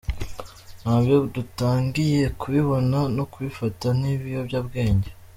Na byo dutangiye kubibona no kubifata nk’ibiyobyabwenge.